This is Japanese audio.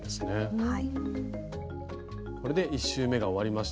はい。